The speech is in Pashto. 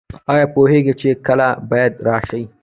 ایا پوهیږئ چې کله باید راشئ؟